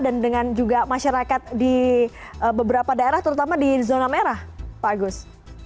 dan dengan juga masyarakat di beberapa daerah terutama di zona merah pak agus